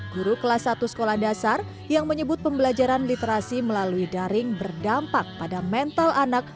guru kelas satu sekolah dasar yang menyebut pembelajaran literasi melalui daring berdampak pada mental anak